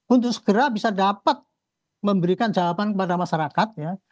untuk segera bisa dapat memberikan jawaban kepada masyarakat ya